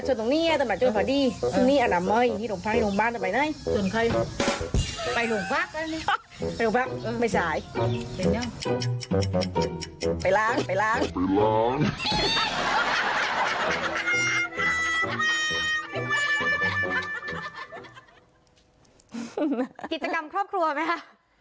กิจกรรมครอบครัวไหมคะ